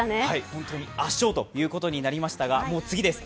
本当に圧勝ということになりましたが、もう次です。